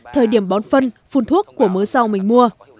thời điểm bón phân phun thuốc của mớ rau mình mua